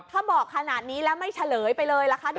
ถ้าบอกขนาดนี้แล้วไม่เฉลยไปเลยล่ะคะ